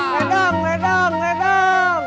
ledang ledang ledang